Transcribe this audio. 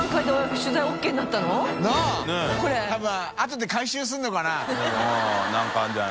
進あとで回収するのかな？